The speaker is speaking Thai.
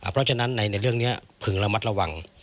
เพราะฉะนั้นในเรื่องนี้พึงระมัดระวัง